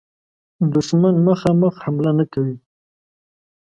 دښمن مخامخ حمله نه کوي.